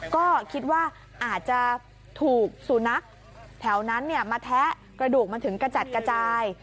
ก็คิดว่าอาจจะถูกสุนัขแถวนั้นมาแทะกระดูกมันถึงกระจัดกระจาย